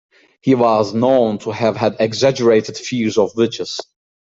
He was known to have had exaggerated fears of witches.